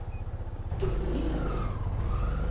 Ik begryp it net.